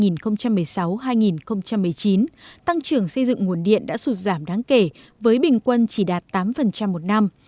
năm hai nghìn một mươi chín tăng trưởng xây dựng nguồn điện đã sụt giảm đáng kể với bình quân chỉ đạt tám một năm